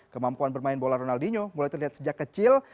kemampuan bermain bola ronaldinho mulai terlihat sejak kecil